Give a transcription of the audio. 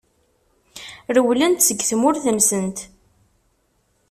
Rewlent seg tmurt-nsent.